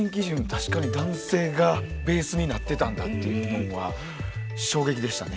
確かに男性がベースになってたんだっていうのんは衝撃でしたね。